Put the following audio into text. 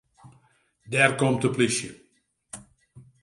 Dêr komt de polysje.